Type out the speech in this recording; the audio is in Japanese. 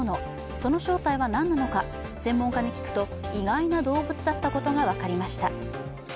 その正体は何なのか専門家に聞くと意外な動物だったことが分かりました。